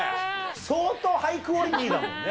相当ハイクオリティーだもんね。